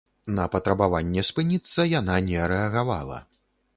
На патрабаванне спыніцца яна не рэагавала.